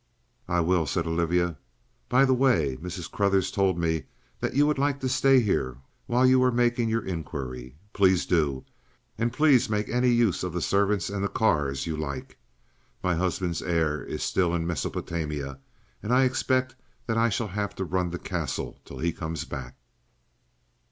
"I will," said Olivia. "By the way, Mrs. Carruthers told me that you would like to stay here while you were making your inquiry; please do; and please make any use of the servants and the cars you like. My husband's heir is still in Mesopotamia, and I expect that I shall have to run the Castle till he comes back."